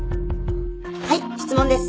はい質問です。